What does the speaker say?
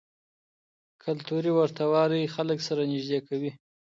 کلتوري ورته والی خلک سره نږدې کوي.